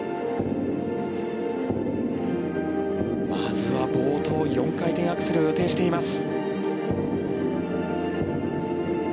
まずは冒頭、４回転アクセルを予定しています。